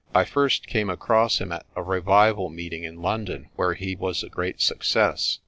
"I first came across him at a revival meeting in London where he was a great success.